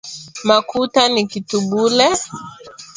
Makuta ni kitu bule